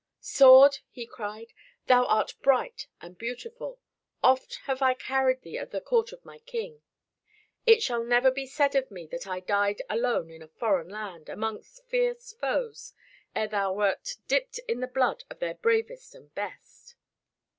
"Sword," he cried, "thou art bright and beautiful; oft have I carried thee at the court of my King. It shall never be said of me that I died alone in a foreign land, among fierce foes, ere thou wert dipped in the blood of their bravest and best."